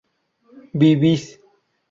vivís